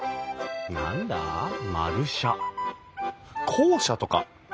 校舎とか？